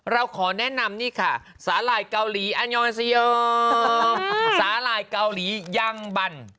เราขอแนะนำนี่ค่ะสาหร่ายเกาหลีอันยอนสโยสาหร่ายเกาหลียังบัน